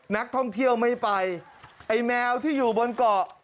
นักท่องเที่ยวไม่ไปไอ้แมวที่อยู่บนเกาะ